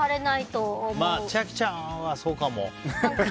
千秋ちゃんはそうかも。